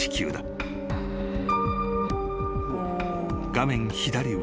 ［画面左上。